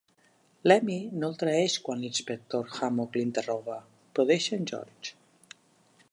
L'Emmy no el traeix quan l'inspector Hammock l'interroga, però deixa en Georges.